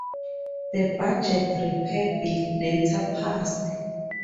The Budget Repair bill later passed.